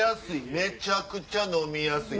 めちゃくちゃ飲みやすい。